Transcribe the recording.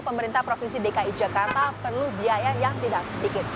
pemerintah provinsi dki jakarta perlu biaya yang tidak sedikit